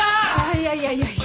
いやいやいやいや。